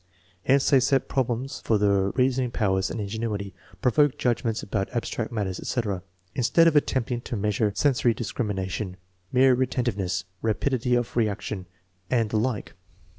Hence they set problems for the reasoning powers and ingenuity, provoke judgments about abstract matters, etc., instead of attempting to measure sensory discrimination, more relentiveness, rapidity of reaction, and the like.